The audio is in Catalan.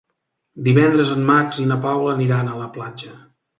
Divendres en Max i na Paula aniran a la platja.